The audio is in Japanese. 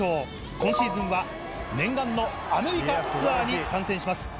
今シーズンは念願のアメリカツアーに参戦します。